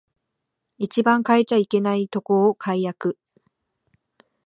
一番変えちゃいけないとこを改悪